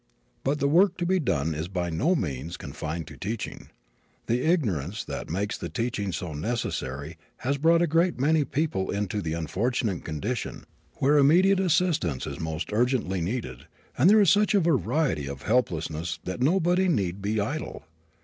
But the work to be done is by no means confined to teaching. The ignorance that makes the teaching so necessary has brought a great many people into the unfortunate condition, where immediate assistance is most urgently needed, and there is such a variety of helplessness that nobody need be idle.